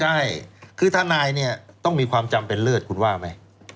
ใช่คือทนายเนี่ยต้องมีความจำเป็นเลิศคุณว่าไหม